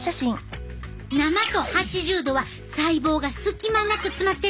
生と８０℃は細胞が隙間なく詰まってるやろ？